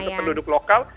atau penduduk lokal